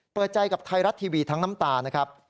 เปิดใจกับไทยรัฐทีวีทั้งน้ำตานะครับ